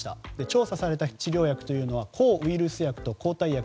調査された治療薬は抗ウイルス薬と抗体薬